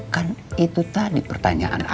kan itu tadi pertanyaan